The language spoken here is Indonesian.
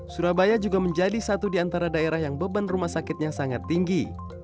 surabaya juga menjadi satu di antara daerah yang beban rumah sakitnya sangat tinggi